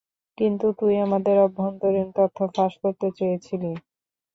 কিন্তু তুই আমাদের অভ্যন্তরীণ তথ্য ফাঁস করতে চেয়েছিলি।